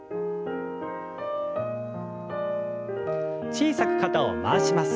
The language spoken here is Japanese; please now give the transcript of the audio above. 小さく肩を回します。